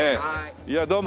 いやどうも。